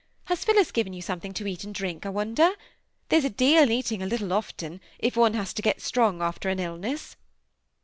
Has Phillis given you something to eat and drink, I wonder? there's a deal in eating a little often, if one has to get strong after an illness."